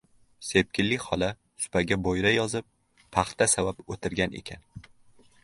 Sepkilli xola supaga bo‘yra yozib paxta savab o‘tirgan ekan.